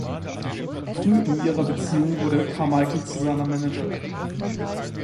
Früh in ihrer Beziehung wurde Carmichael zu seiner Managerin.